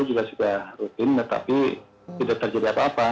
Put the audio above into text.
juga sudah rutin tetapi tidak terjadi apa apa